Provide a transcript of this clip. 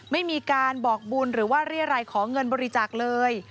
ไม่มีการบอกบุญหรือว่าเรียรัยขอเงินบริจาคเลย